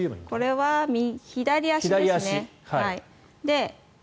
これは左足ですね。